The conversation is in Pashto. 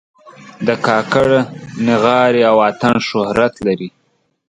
د کاکړ نغارې او اتڼ شهرت لري.